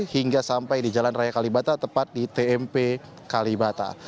hingga sampai di jalan raya kalibata tepat di tmp kalibata